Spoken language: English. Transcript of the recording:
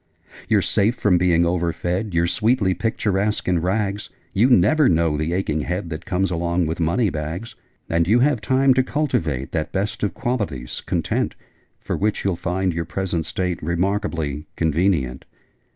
'You're safe from being overfed: You're sweetly picturesque in rags: You never know the aching head That comes along with money bags: And you have time to cultivate That best of qualities, Content For which you'll find your present state Remarkably convenient!'